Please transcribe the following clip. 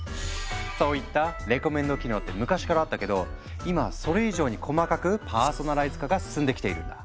そういったレコメンド機能って昔からあったけど今はそれ以上に細かくパーソナライズ化が進んできているんだ。